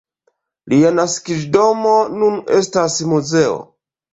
Lia naskiĝdomo nun estas muzeo.